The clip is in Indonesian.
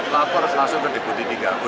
lapor langsung ke dikuti tinggaku